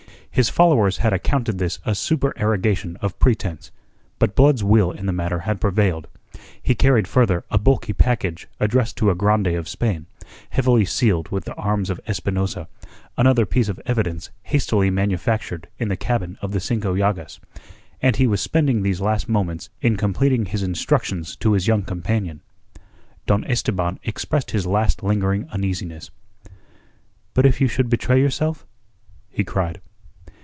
His followers had accounted this a supererogation of pretence. But Blood's will in the matter had prevailed. He carried further a bulky package addressed to a grande of Spain, heavily sealed with the arms of Espinosa another piece of evidence hastily manufactured in the cabin of the Cinco Llagas and he was spending these last moments in completing his instructions to his young companion. Don Esteban expressed his last lingering uneasiness: "But if you should betray yourself?" he cried.